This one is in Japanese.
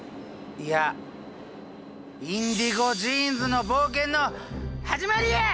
いや「インディゴ・ジーンズの冒険のはじまり」や！